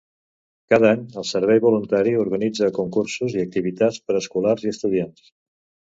Cada any el Servei Voluntari organitza concursos i activitats per escolars i estudiants.